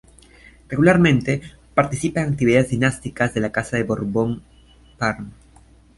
Regularmente, participa en actividades dinásticas de la Casa de Borbón-Parma.